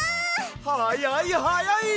はやいはやい！